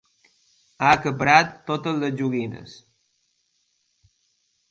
Ha acaparat totes les joguines.